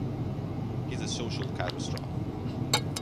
He's a social catastrophe.